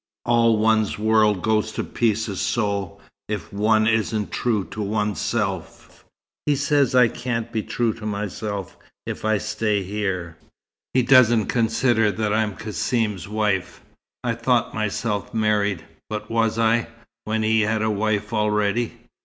All one's world goes to pieces so, if one isn't true to oneself." "He says I can't be true to myself if I stay here. He doesn't consider that I'm Cassim's wife. I thought myself married, but was I, when he had a wife already?